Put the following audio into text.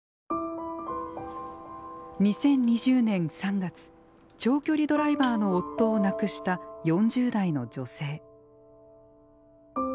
２０２０年３月長距離ドライバーの夫を亡くした４０代の女性。